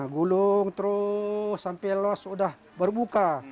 gulung terus sampai luas sudah baru buka